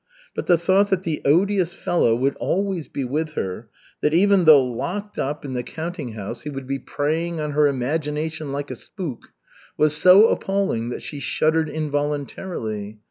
But the thought that the odious fellow would always be with her, that even though locked up in the counting house he would be preying on her imagination like a spook, was so appalling that she shuddered involuntarily.